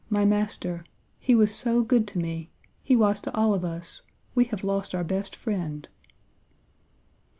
my master! he was so good to me! He was all to us! We have lost our best friend!'